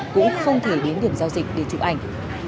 cũng không thể đến điểm giao dịch để chụp ảnh